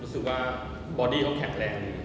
รู้สึกว่าบอดี้เขาแข็งแรง